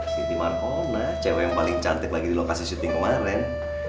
city marcona cewek yang paling cantik lagi di lokasi syuting kemarin